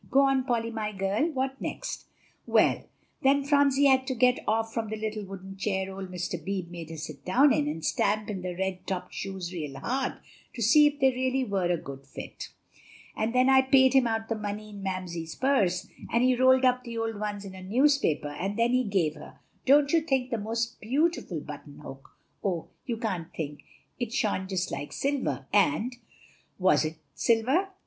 Go on, Polly my girl, what next?" "Well, then Phronsie had to get off from the little wooden chair old Mr. Beebe made her sit down in, and stamp in the red topped shoes real hard, to see if they really were a good fit; and then I paid him out of the money in Mamsie's purse, and he rolled up the old ones in a newspaper; and then he gave her don't you think the most beautiful button hook oh! you can't think, it shone just like silver, and " "And was it silver?"